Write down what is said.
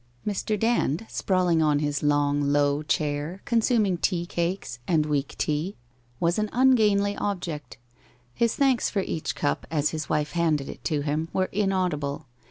Mr. Dand, sprawling on his long, low chair, consuming tea cakes and weak tea, was an ungainly object. His thanks for each cup as his wife handed it to him were inaudible.